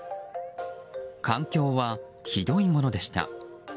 環境はひどいものでした。